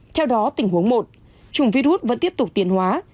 theo đó tình huống một chủng virus vẫn tiếp tục tiến hóa